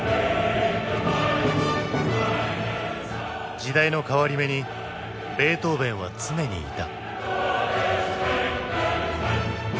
時代の変わり目にベートーヴェンは常にいた。